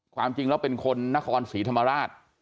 ความจริงแล้วเป็นคนนครศรีธรรมราช